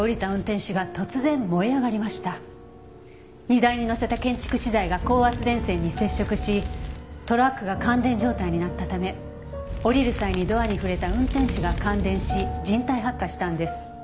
荷台に載せた建築資材が高圧電線に接触しトラックが感電状態になったため降りる際にドアに触れた運転手が感電し人体発火したんです。